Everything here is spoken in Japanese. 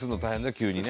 急にね。